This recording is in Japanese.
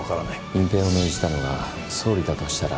隠蔽を命じたのが総理だとしたら。